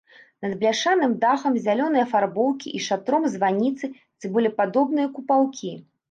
Над бляшаным дахам зялёнай афарбоўкі і шатром званіцы цыбулепадобныя купалкі.